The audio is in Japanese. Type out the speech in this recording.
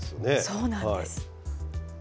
そうなんです。